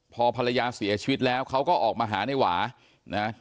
พอภรรยาเสียชีวิตแล้วเขาก็ออกมาหาในหวานะ